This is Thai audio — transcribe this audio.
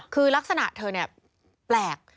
คือลักษณะเธอเนี่ยแปลก